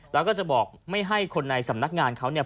แล้วก็จะบอกไม่ให้คนในสำนักงานเขาเนี่ย